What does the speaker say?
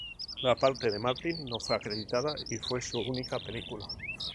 La parte de Martin no fue acreditada y fue su única película.